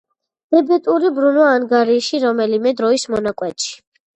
დებეტური ბრუნვა ანგარიში რომელიმე დროის მონაკვეთში.